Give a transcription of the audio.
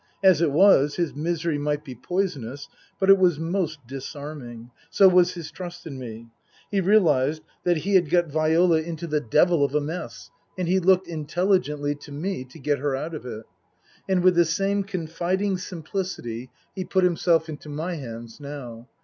As it was, his misery might be poisonous, but it was most disarming. So was his trust in me. He realized that he had got Viola into 81 6 82 Tasker Jevons the devil of a mess, and he looked, intelligently, to me to get her out of it. And with the same confiding simplicity he put himself into my hands now.